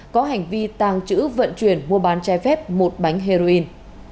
có hành vi tàng trữ vận chuyển mua bán trái phép một bánh heroin